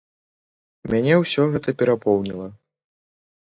Мяне ўсё гэта перапоўніла.